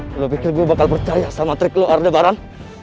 lo pikir gue bakal percaya sama trik lo ardebaran